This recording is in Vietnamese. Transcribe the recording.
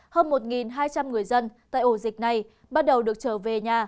hơn một hai trăm linh người dân tại ổ dịch này bắt đầu được trở về nhà